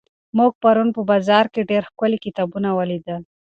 موږ پرون په بازار کې ډېر ښکلي کتابونه ولیدل.